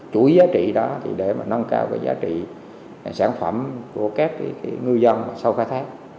chuỗi giá trị đó để mà nâng cao giá trị sản phẩm của các ngư dân sau khai thác